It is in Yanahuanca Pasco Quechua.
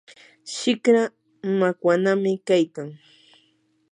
shikra makwanami kaykan.